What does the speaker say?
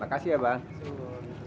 makasih ya bang